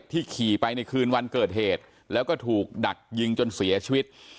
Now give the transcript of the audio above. ขี่ไปในคืนวันเกิดเหตุแล้วก็ถูกดักยิงจนเสียชีวิต